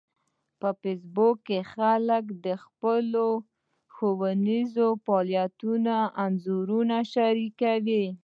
په فېسبوک کې خلک د خپلو ښوونیزو فعالیتونو انځورونه شریکوي